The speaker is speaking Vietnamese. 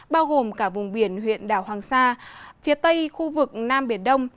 bao gồm cả vùng biển huyện đảo hoàng sa phía tây khu vực nam biển đông